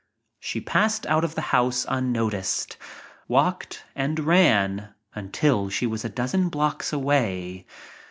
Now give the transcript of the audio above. She passed out of the house unnoticed, walked and ran until she was a dozen blocks away.